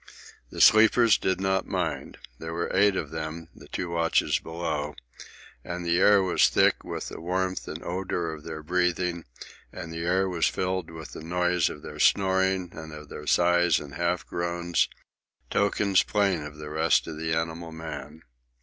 The sleepers did not mind. There were eight of them,—the two watches below,—and the air was thick with the warmth and odour of their breathing, and the ear was filled with the noise of their snoring and of their sighs and half groans, tokens plain of the rest of the animal man.